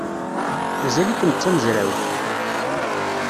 Mazal-ikem d tamezrawt?